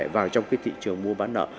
vào trong cái thị trường mua bán nợ